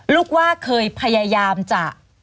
ลูกว่าเคยพยายามจะ